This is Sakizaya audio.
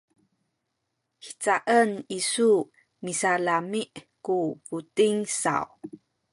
hicaen isu misalami’ ku buting saw?